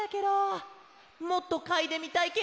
もっとかいでみたいケロ！